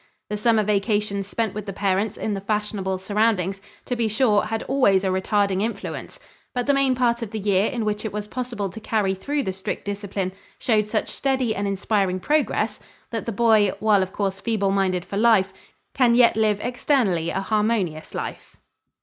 The summer vacations spent with the parents in the fashionable surroundings, to be sure, had always a retarding influence, but the main part of the year in which it was possible to carry through the strict discipline showed such steady and inspiring progress that the boy, while of course feeble minded for life, can yet live externally a harmonious life.